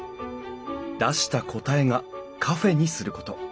出した答えがカフェにすること。